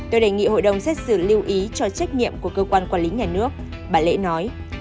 tôi đề nghị hội đồng xét xử lưu ý cho trách nhiệm của cơ quan quản lý nhà nước bà lễ nói